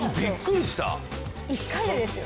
１回でですよ。